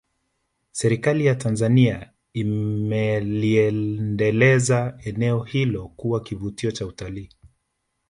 Serikali ya Tanzania imeliendeleza eneo hilo kuwa kivutio cha utalii